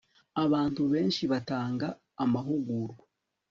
abantu benshi batanga amahugurwa